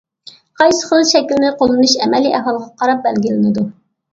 قايسى خىل شەكلىنى قوللىنىش ئەمەلىي ئەھۋالغا قاراپ بەلگىلىنىدۇ.